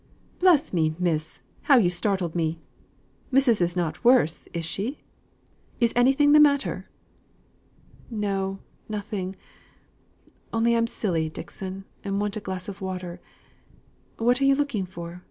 "Bless me, miss! How you startled me! Missus is not worse, is she? Is anything the matter?" "No, nothing. Only I'm silly, Dixon, and want a glass of water. What are you looking for?